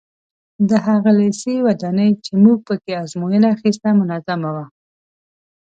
د هغه لېسې ودانۍ چې موږ په کې ازموینه اخیسته منظمه وه.